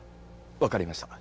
わかりました。